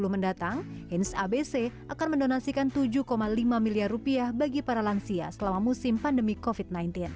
dua ribu dua puluh mendatang hinz abc akan mendonasikan rp tujuh lima miliar bagi para lansia selama musim pandemi covid sembilan belas